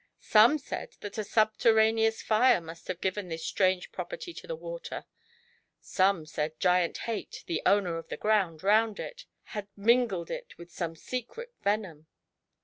Some said that a subterraneous fire must have given this strange property to the water, some that Giant Hate, the owner of the ground round it, had mingled in it GIANT HATE. 07 some secret venom.